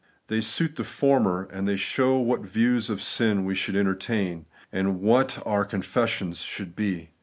They suit the former ; and they show what views of sin we should entertain, and what our confessions should be.